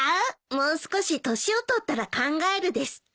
「もう少し年を取ったら考える」ですって。